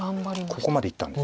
ここまでいったんです。